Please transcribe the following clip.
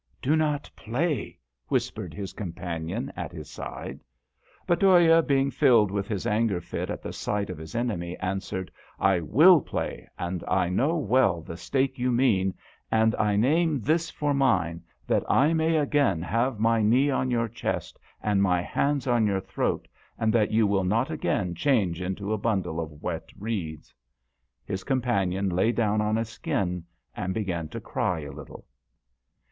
""" Do not play," whispered his companion at his side. But Dhoya, being filled with his anger fit at the sight of his enemy, answered, " I will play, and I know well the stake you mean, and I name this for mine, that I may again have my knee on your chest and my hands on your throat, and that you will not again change into a bundle of w r et reeds." His companion lay down on a skin and began ta cry a little.